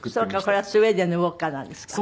これはスウェーデンのウォッカなんですか？